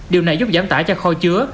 điều này giúp giảm tả cho kho chứa